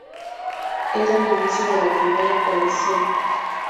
Era el inicio de la Primera Coalición.